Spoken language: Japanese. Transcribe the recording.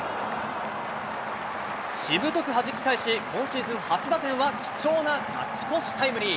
しぶとくはじき返し、今シーズン初打点は貴重な勝ち越しタイムリー。